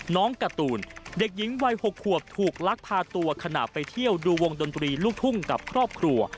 การ์ตูนเด็กหญิงวัย๖ขวบถูกลักพาตัวขณะไปเที่ยวดูวงดนตรีลูกทุ่งกับครอบครัว